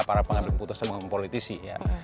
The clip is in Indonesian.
para pengadil putus semua politisi ya